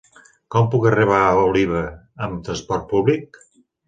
Com puc arribar a Oliva amb transport públic?